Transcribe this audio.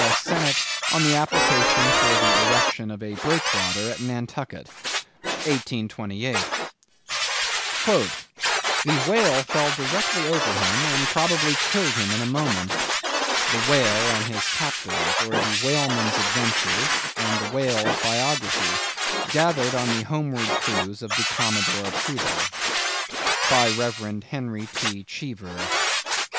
S. Senate, on the application for the Erection of a Breakwater at Nantucket_. 1828. "The whale fell directly over him, and probably killed him in a moment." —"_The Whale and his Captors, or The Whaleman's Adventures and the Whale's Biography, gathered on the Homeward Cruise of the Commodore Preble_." By Rev. Henry T. Cheever.